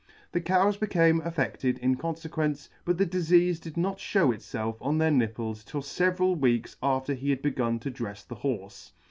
The cows became affedted in confequence, but the difeafe did not fliew itfelf on their nipples till feveral weeks after he had begun to drefs the horfe.